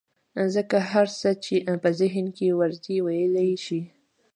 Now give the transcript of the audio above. ځکه هر څه چې په ذهن کې ورځي ويلى يې شي.